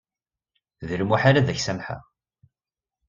D lmuḥal ad ak-samḥeɣ.